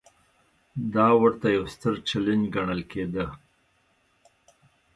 دا ورته یو ستر چلنج ګڼل کېده.